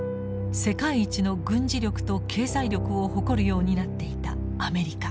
世界一の軍事力と経済力を誇るようになっていたアメリカ。